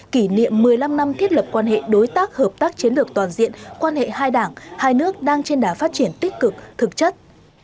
kỷ niệm một mươi năm năm thiết lập quan hệ đối tác hợp tác chiến lược toàn diện quan hệ hai đảng hai nước đang trên đá phát triển tích cực thực chất